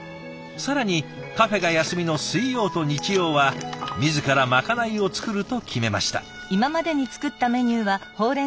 更にカフェが休みの水曜と日曜は自らまかないを作ると決めました。